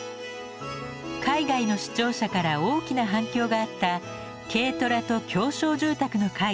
海外の視聴者から大きな反響があった軽トラと狭小住宅の回。